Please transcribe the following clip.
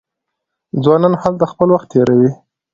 ځوانان هلته خپل وخت تیروي.